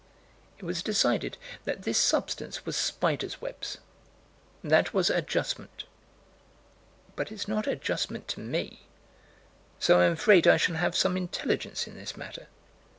It was decided that this substance was spiders' web. That was adjustment. But it's not adjustment to me; so I'm afraid I shall have some intelligence in this matter.